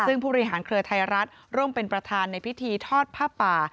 ซึ่งผู้บริหารเครือไทยรัฐร่วมเป็นประธานในพิธีทอดผ้าป่า